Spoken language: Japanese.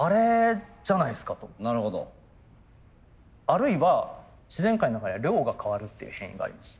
あるいは自然界の中では量が変わるっていう変異があります。